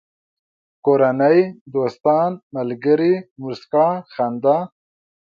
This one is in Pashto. کورنۍ، دوستان، ملگري، موسکا، خندا